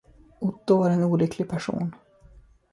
Otto var en olycklig person.